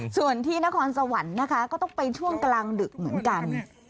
ส่วนที่นครสวรรค์นะคะก็ต้องไปช่วงกลางดึกเหมือนกัน